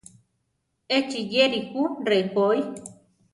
Échi yéri jú rejoí.